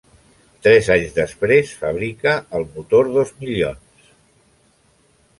Tres anys després, fabrica el motor dos milions.